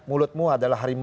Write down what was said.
mulutmu adalah harimau mu